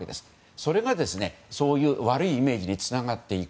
それがそういう悪いイメージにつながっていく。